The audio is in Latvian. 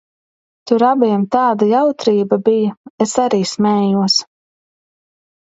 Tur abiem tāda jautrība bija, es arī smējos.